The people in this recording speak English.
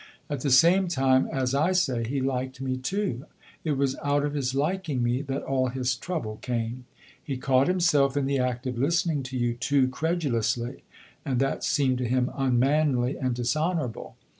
At the same time, as I say, he liked me, too; it was out of his liking me that all his trouble came! He caught himself in the act of listening to you too credulously and that seemed to him unmanly and dishonorable.